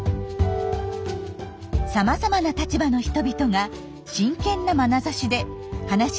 さまざまな立場の人々が真剣なまなざしで話に聞き入っています。